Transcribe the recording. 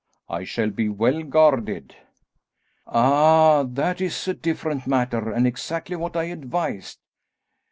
I shall be well guarded." "Ah, that is a different matter, and exactly what I advised."